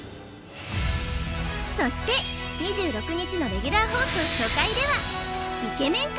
そして２６日のレギュラー放送初回ではイケメン